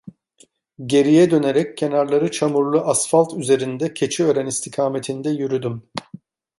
Geriye dönerek kenarları çamurlu asfalt üzerinde Keçiören istikametinde yürüdüm.